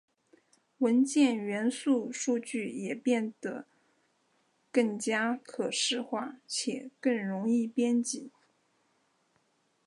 文件元数据也变得更加可视化且更容易编辑。